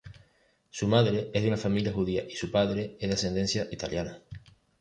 Su madre es de una familia judía y su padre es de ascendencia italiana.